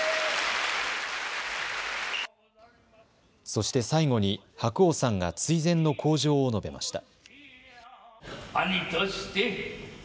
そして最後に白鸚さんが追善の口上を述べました。